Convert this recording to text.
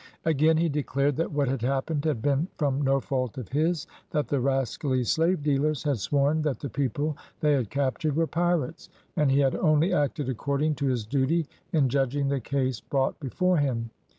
Again he declared that what had happened had been from no fault of his; that the rascally slave dealers had sworn that the people they had captured were pirates, and he had only acted according to his duty in judging the case brought before him.